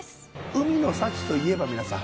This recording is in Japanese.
海の幸といえば皆さん。